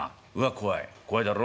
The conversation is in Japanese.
「怖いだろ？」。